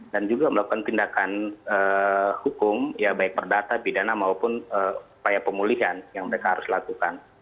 dan juga melakukan tindakan hukum ya baik perdata pidana maupun upaya pemulihan yang mereka harus lakukan